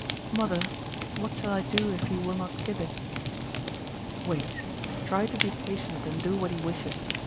"Mother, what shall I do if he will not give it?" "Wait. Try to be patient and do what he wishes.